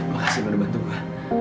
makasih lu udah bantu gua